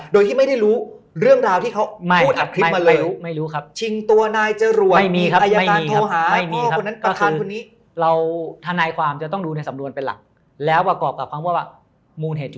โดยที่ไม่ได้รู้เรื่องราวที่เขาไม่อัดคลิปมาเลย